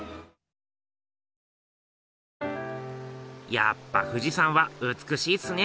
やっぱ富士山は美しいっすね。